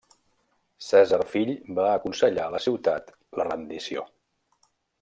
Cèsar Fill va aconsellar a la ciutat la rendició.